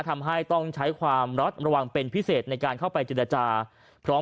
ทำให้ต้องใช้ความรักระวังเป็นพิเศษในการเข้าไปเจรจาพร้อม